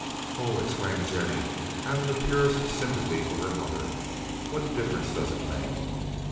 "Oh," exclaimed Jennie, out of the purest sympathy for her mother, "what difference does it make?"